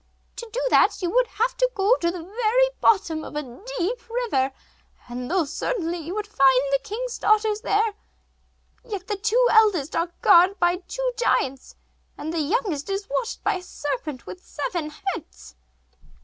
To do that you would have to go to the very bottom of a deep river, and though certainly you would find the king's daughters there, yet the two eldest are guarded by two giants, and the youngest is watched by a serpent with seven heads.